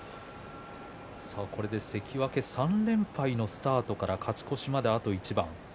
これで関脇３連敗のスタートから勝ち越しまであと一番。